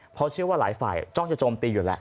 เพราะเชื่อว่าหลายฝ่ายจ้องจะโจมตีอยู่แล้ว